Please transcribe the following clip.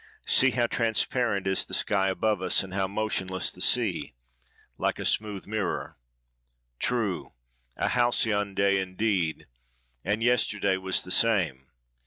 See how transparent is the sky above us, and how motionless the sea!—like a smooth mirror." True! A Halcyon day, indeed! and yesterday was the same.